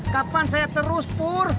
kapan saya terus pur